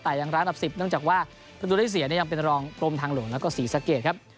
แต่ยังร้านอับ๑๐นั่งจากว่าพื้นตัวได้เสียยังเป็นรองกลมทางหลงและก็๔สเกจครับ